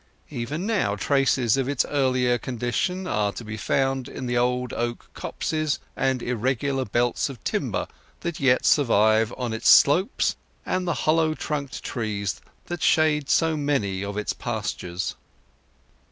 Even now, traces of its earlier condition are to be found in the old oak copses and irregular belts of timber that yet survive upon its slopes, and the hollow trunked trees that shade so many of its pastures.